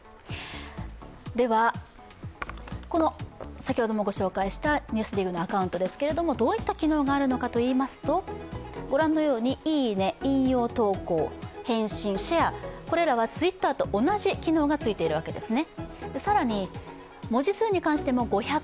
先ほどもご紹介しました「ＮＥＷＳＤＩＧ」のアカウントですが、どういった機能があるのかといいますとこれらはＴｗｉｔｔｅｒと同じ機能がついているわけですね。